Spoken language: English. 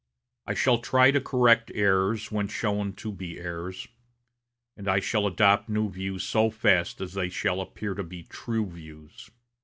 I shall try to correct errors when shown to be errors, and I shall adopt new views so fast as they shall appear to be true views.